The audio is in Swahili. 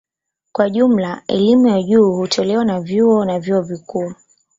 Kwa jumla elimu ya juu hutolewa na vyuo na vyuo vikuu.